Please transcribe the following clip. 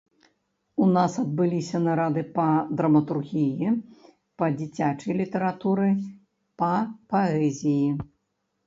У нас адбыліся нарады па драматургіі, па дзіцячай літаратуры, па паэзіі.